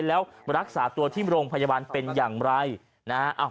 แล้วรักษาตัวที่โรงพยาบาลเป็นอย่างไรนะฮะ